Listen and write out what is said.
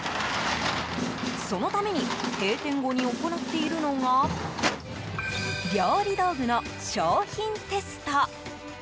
そのために閉店後に行っているのが料理道具の商品テスト。